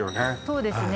そうですね